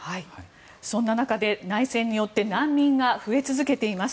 そんな中で、内戦によって難民が増え続けています。